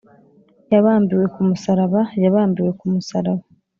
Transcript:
Yabambiwe ku musaraba, Ya bambiwe ku musaraba.